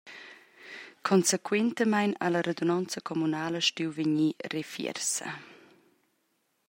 Consequentamein ha la radunonza communala stuiu vegnir refiersa.